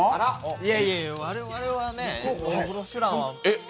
いやいやいや、我々はね「オフロシュラン」は。